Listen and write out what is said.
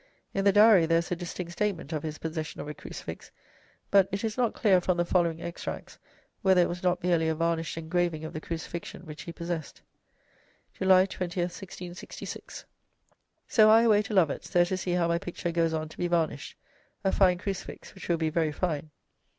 In the Diary there is a distinct statement of his possession of a crucifix, but it is not clear from the following extracts whether it was not merely a varnished engraving of the Crucifixion which he possessed: July 20, 1666. "So I away to Lovett's, there to see how my picture goes on to be varnished, a fine crucifix which will be very fine."